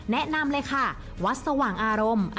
แนะนำเลยค่ะวัดสว่างอารมณ์